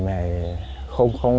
tôi lưu thương